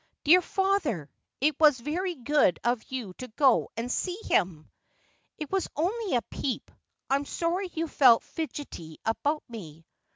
' Dear father ! It was very good of you to go and see him.' ' It was only a peep. I'm sorry you felt fidgety about me.'